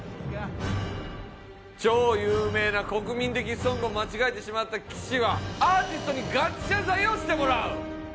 超有名な国民的ソングを間違えてしまった岸はアーティストにガチ謝罪をしてもらう。